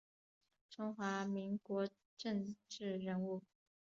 中华民国政治人物。